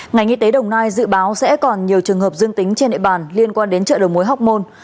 ngành y tế đồng nai dự báo sẽ còn nhiều trường hợp dương tính trên địa bàn liên quan đến chợ đầu mối học môn